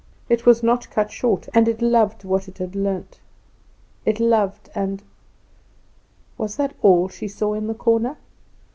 It was not cut short; and it loved what it had learnt it loved and " Was that all she saw in the corner?